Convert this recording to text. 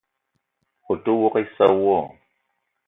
O te ouok issa wo?